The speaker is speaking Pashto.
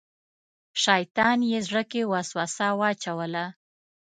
شیطان یې زړه کې وسوسه واچوله.